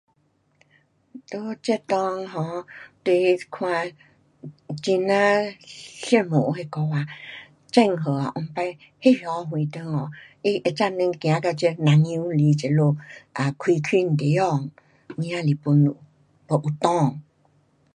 在这内 um 就看很呀羡慕那个啊郑和啊,以前那么远中国，他会知晓走到这南洋来这里开垦地方，有真是本事，又有胆。